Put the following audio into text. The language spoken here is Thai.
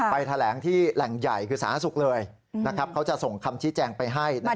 ไปแถลงที่แหล่งใหญ่คือสหรัฐศึกษ์เลยนะครับเขาจะส่งคำชี้แจ้งไปให้นะครับ